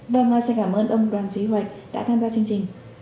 vâng xin cảm ơn ông đoàn chí huệnh đã tham gia chương trình